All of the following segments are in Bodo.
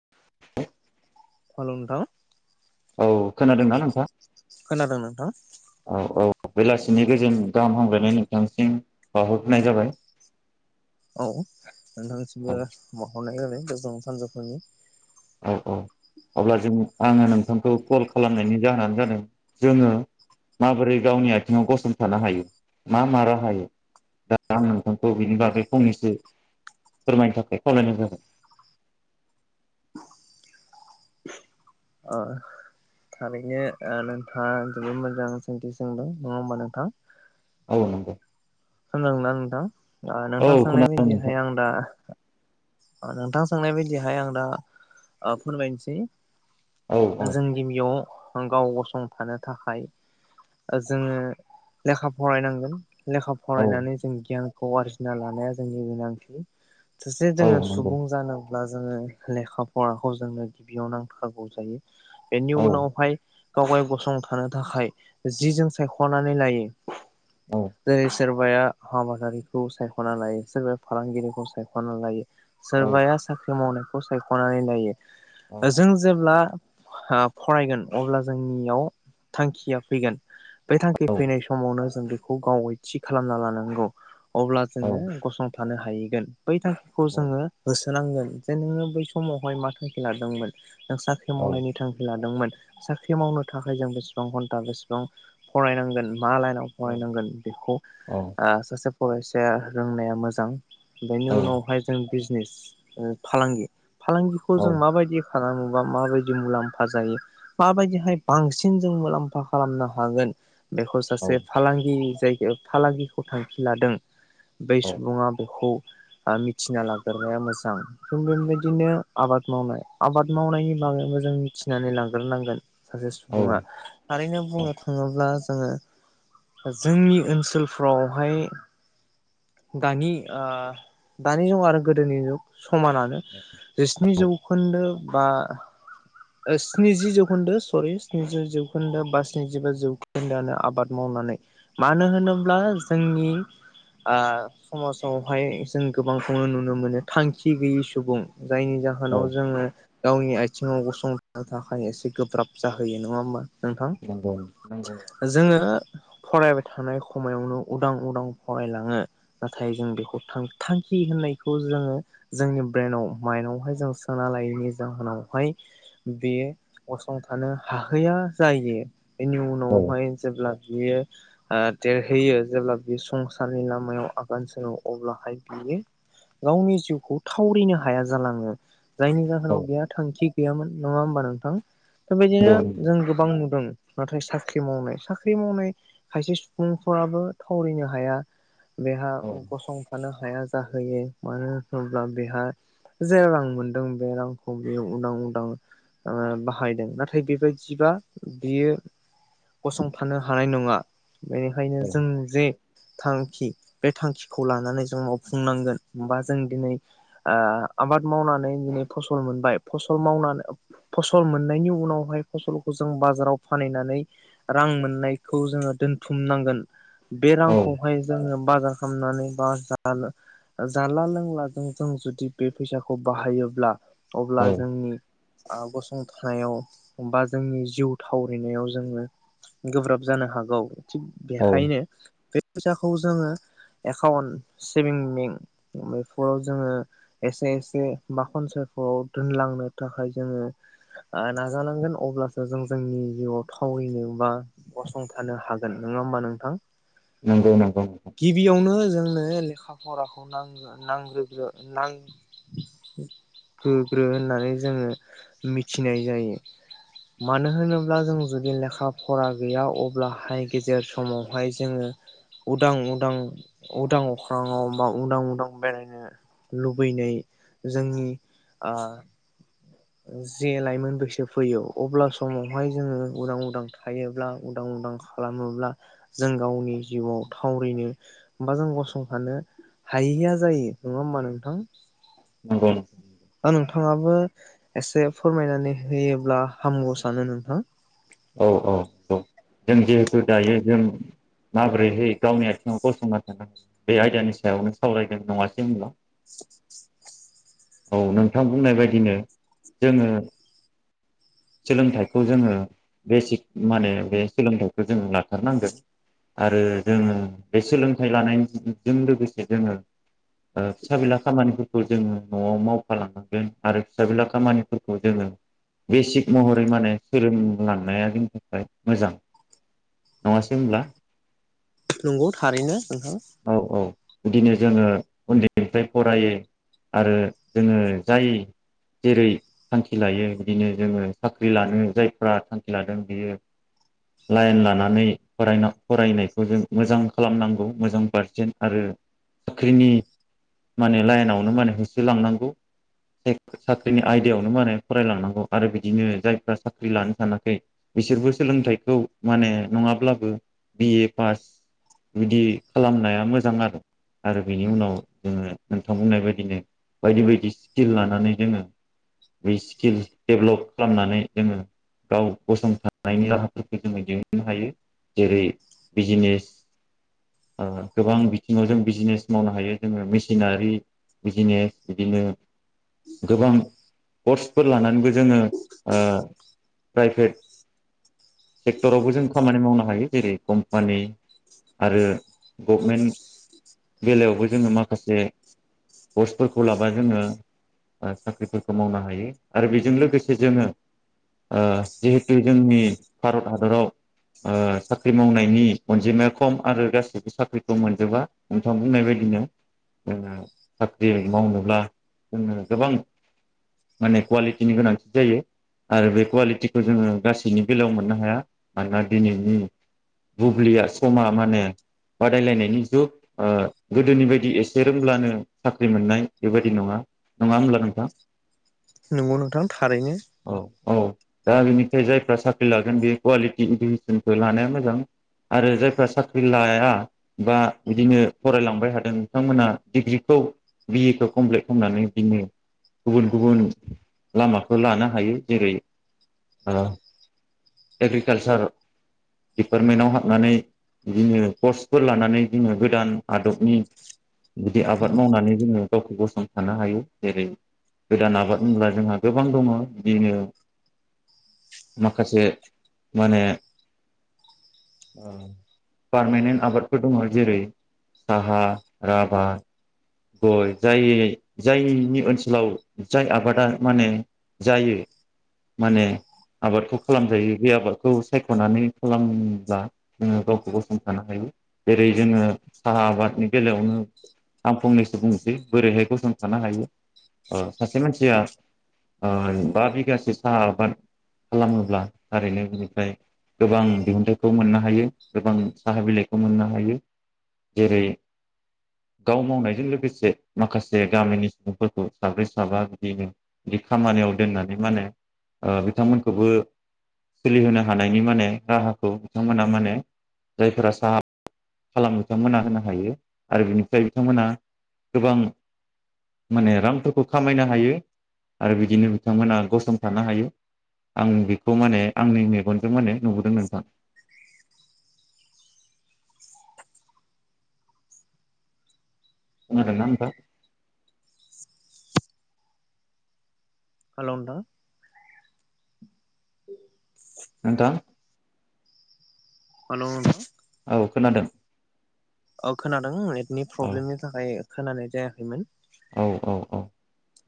[unintelligible] हेल' नोंथां औ खोनादोंना नोंथां खोनादों नोंथां औ औ बेलासिनि गोजोन गाहाम हामब्लायनाय नोंथांसिम बाहरफिनाय जाबाय औ औ नोंथांनिसिमबो म हरनाय जाबाय गोजोन सानजौफुनि औ औ अब्ला जों आङो नोंथांखौ कल खालामनायनि जाहोनानो जादों जोङो आंओ नोंथांखौ कल खालामनायनि जाहोनानो जादों जोंओ माबोरै गावनि आथिङाव गसंथानो हायो मा मा राहायै दा आं नोंथांखौ बिनि बागै फंनैसो फोरमायनो थाखाय खावलायनाय जाबाय ओ थारैनो ओ नोंथाङा जोबोद मोजां सोंथि सोंदोंं नङा होमबा नोंथां औ नंगौ खोनादों ना नोंथां औ नोंथां सोंनाय खोनादों नोंथां बायदिहाय आं दा ओ नोंथां सोंनाय बायदिहाय आं दा ओ फोरमायनोसै औ औ जों गिबियाव गाव गसंथानो थाखाय जोङो लेखा फरायनांगोन लेखा औ फरायनानै जों गियानखौ आरजिना लानाया जोंनि गोनांथि सासे औ जोङो नंगौ सुबुं जानोब्ला जोङो लेखा फराखौ जोंनो गिबियाव नांथारगौ जायो बेनि औ उनावहाय गावगाय गसंथानो थाखाय जि जों सायख'नानै लायो औ जेरै सोरबाया आबादारिखौ सायख'ना लायो सोरबाया फालांगिरिखौ सायख'ना लायो औ सोरबाया साख्रि मावनायखौ सायख'नानै लायो औ जों जेब्ला फरायगोन अब्ला जोंनियाव थांखिया फैगोन बे थांखि औ फैनाय समावनो जों बेखौ गावै थि खालामना लानांगौ अब्ला औ जों गसं थानो हाहैगोन बै थांखिखौ औ जोङो होसोनांगोन जे नोङो बै समावहाय मा थांखि लादोंमोन नों साख्रि मावनायनि थांखि लादों मोन साख्रि मावनो थाखाय जों बेसेबां घन्टा बेसेबां फरायनांगोन मा लाइनाव फरायनांगोन बेखौ आ सासे फरायसायि रोंनाया मोजां बेनि औ उनावहाय जों बिजनिस फालांगि फालांगिखौ जों माबायदि खालामोबा माबायदि मुलाम्फा जायो माबायदिहाय बांसिन जों मुलाम्फा खालामनो हागोन बेखौ औ सासे फालांगि जायगायाव फालांगिखौ थांखि लादों बै सुबुङा बेखौ आ मिथिना लागोन मोजां जों बेबायदिनो आबाद मावनाय आबाद मावनायनि बागैबो जों मिथिनानै लांग्रोनांगोन सासे औ सुबुङा थारैनो बुंनो थाङोब्ला जोङो जोंनि ओनसोलफ्रावहाय दानि ओ दानि जुग आरो गोदोनि जुग समानानो जिस्नि जौखोन्दो बा स्निजि जौखोन्दो सरि स्निजि जौखोन्दो बा स्निजिबा जौखोन्दोआनो आबाद मावनानै मानो होनोब्ला जोंनि ओ समाजावहाय जों गोबांखौनो नुनो नुनो मोनो थांखि गैयि सुबुं जायनि औ जाहोनाव जोङो गावनि आथिङाव गसंथानो थाखाय एसे गोब्राब जाहोयो नङा होमबा नोंथां नंगौ नंगौ जोङो फरायबाय थानाय समायावनो उदां उदां फरायलाङो नाथाय जों बेखौ थांखि होननाय खौ जोङो जोंनि ब्रेनाव माइन्दआवहाय जों सोना लायैनि जाहोनावहाय बेयो गसंथानो हाहैया जायो बेनि औ उनावहाय जेब्ला बियो ओ देरहोयो जेब्ला बियो संसारनि लामायाव आगान सोङो अब्लाहाय बियो गावनि जिउखौ थावरिनो हाया जालाङो जायनि औ जाहोनाव बेयो थांखि गैयामोन नङा होमबा नोंथां नंगौ बेबायदिनो नंगौ जों गोबां नुदों नाथाय साख्रि मावनाय साख्रि मावनाय खायसे सुबुंफोराबो थावरिनो हाया बेहा औ गसंफानो हाया जा हैयो मानो होनोब्ला बेहा जे रां मोनदों बे रांखौ बियो उदां उदां ओ बाहायदों नाथाय बेबायदिबा बियो गसंथानो हानाय नङा बेनिखायनो जों जे थांखि बे थांखिखौ लानानै जों मावफुं खुंनांगोन हबा जों दिनै ओ आबाद मावनानै दिनै फसल मोनबाय फसल मावनानै फसल मोननायनि उनावहाय फसलखौ जों बाजाराव फानहनानै रां मोननायखौ जोङो दोनथुमनांगोन बे औ रांखौहाय जोङो बाजार थामनानै बा जालो जानला लोंलाजों जों जुदि बे फैसाखौ बाहायोब्ला अब्ला औ जोंनि ओ गसंथानायाव बा जोंनि जिउ थावरिनायाव जोङो गोब्राब जानो हागौ थिग औ बेखायनो फैसाखौ जोङो एकाउन्ट सेभिं बेंक बेफोराव जोङो एसे एसे बा खनसायफोराव दोनलांनो थाखाय जोङो ओ नाजानांगोन अब्लासो जों जोंनि जिउआव थावैनो बा गसंथानो हागोन नङा होमबा नोंथां नंगौ नंगौ गिबियावनो जोंनोे लेखा लेखा फराखौ नांगोगोग्रो होननानै जोङो मिथिनाय जायो मानो होनोब्ला जों जुदि लेखा फरा गैया अब्लाहाय गेजेर समावहाय जोङो उदां उदां उदां अखा फ्राङाव बा उदां उदां बेरायनो लुबैनाय जोंनि जे लाइमोन बैसो फैयो अब्ला समावहाय जोङो उदां उदां थायोब्ला उदां उदां खालामोब्ला जों गावनि जिउआव थावरिनो बा जों गसंथानो हायिया जायो नङा होमबा नोंथां नंगौ दा नोंथाङाबो एसे फोरमायनानै होयोब्ला हामगौ सानो नोंथां औ औ औ जों जिहेथु दायो जों माबोरैहै गावनि आथिङाव गसंना थानो हागोन बे आयदानि सायावनो सावरायदों नङासै होनब्ला औ नोंथां बुंनाय बायदिनो जोङो सोलोंथाइखौ जोङो बेसिक माने बे सोलोंथाइखौ जोंङो लाथारनांगोन आरो जोङो बे सोलोंथाइ लानायजों लोगोसे जोङो फिसा बिला खामानिफोरखौ जोङो न'आव मावफालांनांगोन आरो फिसा बिला खामानिफोरखौ जोङो बेसिक महरै माने सोलों लांनाया जोंनि थाखाय मोजां नङासै होनब्ला नंगौ थारैनो नोंथां औ बिदिनो जोङो उन्दैनिफ्राय फरायो आरो जोङो जाय जेरै थांखि लायो बिदिनो जोङो साख्रि लानो जाय फ्रा थांखि लादों बियो लाइन लानानै फरायना फरायनायखौ जों मोजां खालामनांगौ मोजां पारसेन आरो साख्रिनि माने लाइनावनो माने होसोलांनांगौ साख्रिनि आयदायावनो माने फरायलांनांगौ आरो बिदिनो जायफ्रा साख्रि साख्रि लानो सानाखै बिसोरबो सोलोंथाइखौ माने नङाब्लाबो बिए पास बिदि खालामनाया मोजां आरो आरो बिनि उनाव जोङो नोंथां बुंनाय बायदिनो बायदि बायदि स्किल लानानै जोङो बे स्किलस डेभ्लप खालामनानै जोङो गाव गसंथानायनि राहाफोरखौ जोङो दिहुननो हायो जेरै बिजनेस ओ गोबां बिथिङाव जों बिजनेस मावनो हायो जोङो मेसिनारि बिजनेस बिदिनो गोबां कर्सफोर लानानैबो जोङो ओ प्राइभेट सेक्टरावबो जों खामानि मावनो हायो जेरै कम्पानि आरो गभमेन्ट बेलायावबो जोङो माखासे पस्टफोरखौ लाबा जोङो साख्रिफोरखौ मावनो हायो आरो बेजों लोगोसे जोङो ओ जिहेथु जोंनि भारत हादराव ओ साख्रि मावनायनि अनजिमाया खम आरो गासिबो साख्रिखौ मोनजोबा नोंथां बुंनाय बायदिनो साख्रि मावनोब्ला जोनो गोबां माने कुवालिटिनि गोनांथि जायो आरो बे कुवालिटिखौ जोङो गासैनि बेलायाव मोननो हाया मानोना दिनैनि बुब्लिया समा माने बादायलायनायनि जुग ओ गोदोनि बायदि एसे रोंब्लानो साख्रि मोननाय बेबायदि नङा नङा होमब्ला नोंथां नोंगौ नोंथां थारैनो औ दा बिनिफ्राय जायफ्रा साख्रि लागोन बे कुवालिटि इडुकेसनखौ लानाया मोजां आरो जायफ्रा साख्रि लाया बा बिदिनो फरायलांबाय हादों नोंथांमोना डिग्रिखौ बिए खौ कमप्लिट खालामनानै बिदिनो गुबुन गुबुन लामाखौ लानो हायो जेरै ओ एग्रिकालसार डिपार्टमेन्टआव हाबनानै बिदिनो पसफोर लानानै बिदिनो गोदान आदबनि गुदि आबाद मावनानै जोङो गावखौ गसंथानो हायो जेरै गोदान आबाद होनब्ला जोंहा गोबां दङ बिदिनो माखासे माने पारमानेन्ट आबादफोर दङ जेरै साहा राभा गय जाय जायनि ओनसोलाव जाय आबादा माने जायो माने आबादखौ खालामजायो बे आबादखौ सायख'नानै खालामब्ला जोङो गावखौ गसंथानो हायो जेरै जोङो साहा आबादनि बेलायावनो आं फंनैसो बुंनोसै बोरैहाय गसंथानो हायो ओ सासे मानसिया ओ बा बिगासे साहा आबाद खालामोब्ला थारैनो बिनिफ्राय गोबां दिहुनथाइखौ मोननो हायो गोबां साहा बिलाइखौ मोननो हायो जेरै गाव मावनायजों लोगोसे माखासे गामिनि सुबुंफोरखौ साब्रै साबा बिदिनो बिदि खामानियाव दोननानै माने ओ बिथांमोनखौबो सोलिहोनो हानायनि माने राहाखौ बिथांमोना माने जायफोरा साहा खालामो बिथांमोना होनो हायो आरो बिनिफ्राय बिथांमोना गोबां माने रांफोरखौ खामायनो हायो आरो बिदिनो बिथांमोना गसं थानो हायो आं बेखौ माने आंनि मेगनजों माने नुबोदों नोंथां खोनादों ना नोंथां हागौ नोंथां नोंथां हाल' औ खोनादों औ खोनादों आय नि औ प्रब्लेमनि थाखाय खोनानाय जायाखैमोन औ औ औ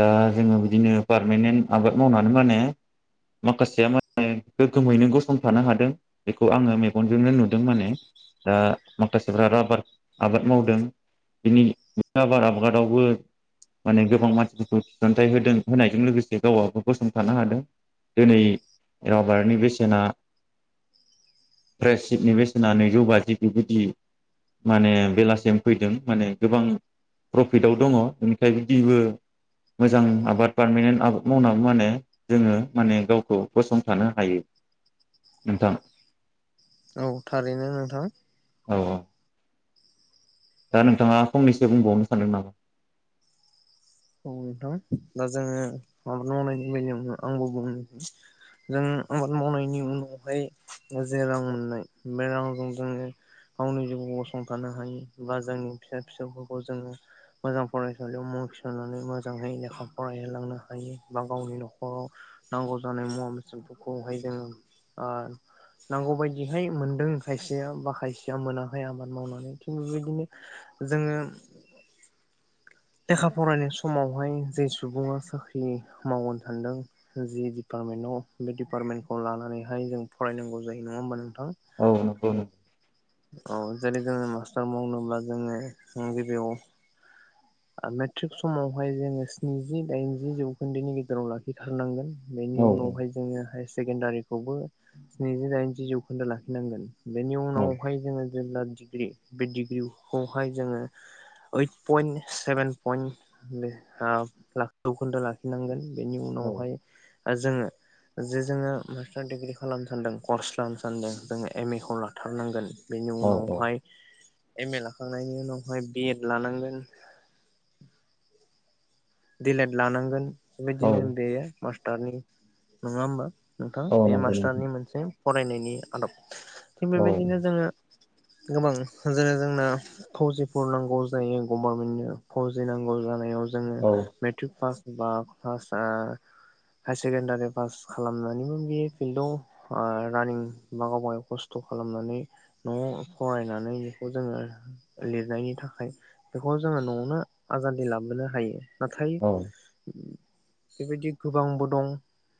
दा जोङो बिदिनो पारमानेन्ट आबाद मावनानै माने माखासेया माने गोगोमैनो गसंथानो हादों बेखौ आङो मेगनजोंनो नुदों माने दा माखासेफ्रा राबार आबाद मावदों बिनि राबार आबादावबो माने गोबां मानसिफोरखौ थिसनथाइ होदों होनायजों लोगोसे गावआबो गसंथानो हादों दिनै राबारनि बेसेना फ्रेसिटनि बेसेना नैजौ बाजि बेबायदि माने बेलासिम फैदों माने गोबां प्रफिटआव दङ बेनिखाय बिदिबो मोजां आबाद पारमानेन्ट आबाद मावनाबो माने जोङो माने गावखौ गसंथानो हायो नोंथां औ थारैनो नोंथां औ औ दा नोंथाङा फंनैसो बुंबावनो सानदों नामा? औ नोंथां दा जोङो आबाद मावनायनि बेलायावनो आंबो बुंनोसै जों आबाद मावनायनि उनावहाय जे रां मोननाय बे रांजों जोङो गावनि जिउखौ गसंथानो हायो बा जोंनि फिसा फिसौफोरखौ जोङो मोजां फरायसालियाव मुंथि सननानै मोजाङै लेखा फरायहोलांनो हायो बा गावनि न'खराव नांगौ जानाय मुवा बेसादफोरखौहाय जोङो ओ नांगौबायदिहाय मोनदों खायसेया बा खायसेया मोनाखै आबाद मावनानै थिग बेबायदिनो जोङो लेखा फरायनाय समावहाय जे सुबुङा साख्रि मावनो सानदों जि डिपार्टमेन्टाव बे डिपार्टमेन्टखौ लानानैहाय जों फरायनांगौ जायो नङा होमबा नों औ नंगौ नों औ जेरै जोङो मास्टार मावनोब्ला जोङो गिबियाव मेट्रिक समावहाय जोङो स्निजि दाइनजि जौखोन्दोनि गेजेराव लाखिथारनांगोन बेनि औ उनावहाय जोङो हाइस सेकेण्डारिखौबो स्निजि दाइनजि जौखोन्दो लाखिनांगोन बेनि औ उनावहाय जोङो जेनबा डिग्रि बे डिग्रिखौहाय जोङो ओइट पइन्ट सेभेन पइन्ट ओ जौखोन्दो लाखिनांगोन बेनि औ उनावहाय जोङो जे जोङो मास्टार डिग्रि खालामनो सान्दों कर्स लानो सान्दों जोङो एम ए खौ लाथारनांगोन बेनि औ उनावहाय एम ए लाखांनायनि उनावहाय बिएड लानांगोन दिलेट लानांगोन औ बेबायदिनो बेयो मास्टारनि नङा होमबा नोंथां औ बे नंगौ नोंथां मास्टारनि मोनसे फरायनायनि आदब थिग औ बेबायदिनो जोङो गोबां जेरै जोंना फौजिफोर नांगौ जायो गभर्नमेन्टनो फौजि नांगौ जानायाव जों औ मेट्रिक पास बा [unintelligible] हायार सेकेडारि पास खालामनानैबो बे फिल्डाव ओ रानिं बा गावबागाव खस्थ' खालामनानै न'आव फरायनानै बेखौ जोङो लिरनायनि थाखाय बेखौ जोङो न'आवनो आजादि लाबोनो हायो नाथाय औ बेबायदि गोबांबो दं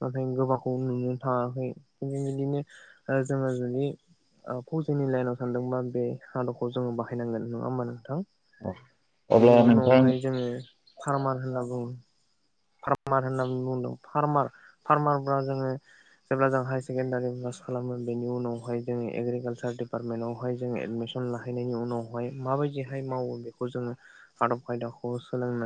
[unintelligible] गोबांखौ नुनो थाङाखै बेबायदिनो जोङो जुदि ओ फौजिनि लाइनाव सानदोंबा बे आदबखौ जोङो बाहायनांगोन नङा होमबा नोंथां औ अब्ला बेनि नोंथां उनावहाय जोङो फार्मान होनना बुङो फार्मार होननानै बुंदों फार्मार फार्मारफ्रा जोङो जेब्ला जों हायार सेकेण्डारि पास खालामो बेनि उनावहाय जोङो एग्रिकालसार दिपार्टमेन्टावहाय जोङो एडमिसन लाहैनायनि उनावहाय माबायदिहाय मावो बेखौ जोङो आदब खायदाखौ सोलोंनानै